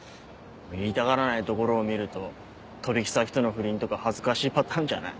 言いたがらないところを見ると取引先との不倫とか恥ずかしいパターンじゃない？